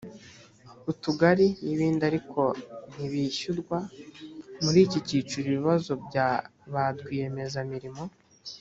utugari n ibindi ariko ntibishyurwa muri iki cyiciro ibibazo bya ba rwiyemezamirimo